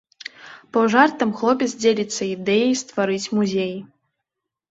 Паўжартам хлопец дзеліцца ідэяй стварыць музей.